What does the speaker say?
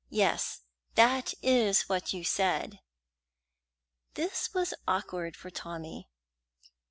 "Yes, that is what you said." This was awkward for Tommy.